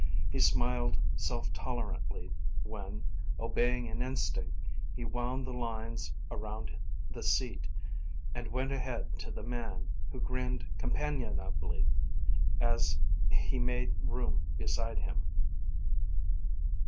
He smiled self tolerantly when, obeying an instinct, he wound the lines around the seat, and went ahead to the man, who grinned companionably as he made room beside him.